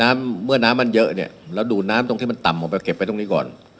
เมื่อน้ำมันเยอะเราดูน้ำที่มันต่ำออกไปเก็บไปตรงนี้ก่อน